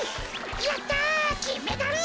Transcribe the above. やったきんメダル。